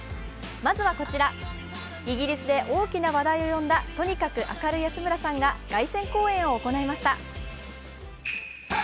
まずはこちら、イギリスで大きな話題を呼んだ、とにかく明るい安村さんが凱旋公演を行いました。